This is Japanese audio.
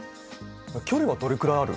距離はどれくらいある？